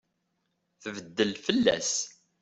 Tbeddel fell-as.